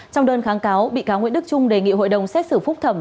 trong đơn kháng cáo bị cáo nguyễn đức trung đề nghị hội đồng xét xử phúc thẩm